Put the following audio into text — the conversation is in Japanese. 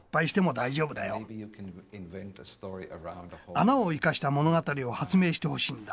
穴を生かした物語を発明してほしいんだ。